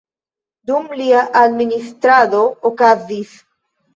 Dum lia administrado okazis;